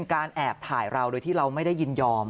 การแอบถ่ายเราโดยที่เราไม่ได้ยินยอม